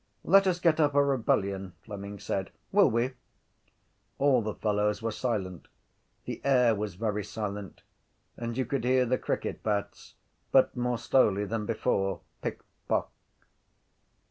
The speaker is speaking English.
—Let us get up a rebellion, Fleming said. Will we? All the fellows were silent. The air was very silent and you could hear the cricket bats but more slowly than before: pick, pock.